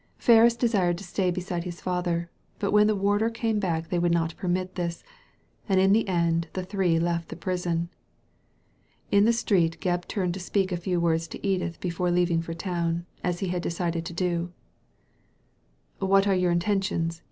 Ferris desired to stay beside his father, but when the warder came back tiiey would not permit this, and in the end the three left the prison* In the street Gebb turned to speak a few words to Edith before leaving for town, as he had decided to da *' What are your intentions